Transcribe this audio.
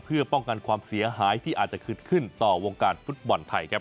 เพื่อป้องกันความเสียหายที่อาจจะเกิดขึ้นต่อวงการฟุตบอลไทยครับ